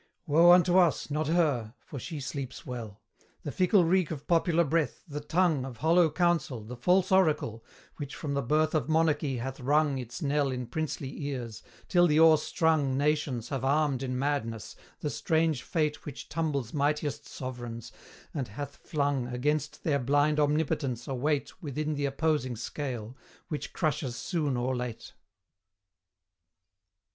Woe unto us, not her; for she sleeps well: The fickle reek of popular breath, the tongue Of hollow counsel, the false oracle, Which from the birth of monarchy hath rung Its knell in princely ears, till the o'erstrung Nations have armed in madness, the strange fate Which tumbles mightiest sovereigns, and hath flung Against their blind omnipotence a weight Within the opposing scale, which crushes soon or late, CLXXII.